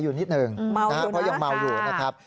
คำนายสมบูรณ์ก็ยังแออยู่นิดหนึ่งเพราะยังเมาอยู่นะครับ